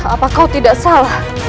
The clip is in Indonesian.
apa kau tidak salah